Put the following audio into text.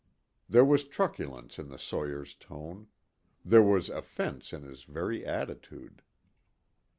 There was truculence in the sawyer's tone. There was offense in his very attitude.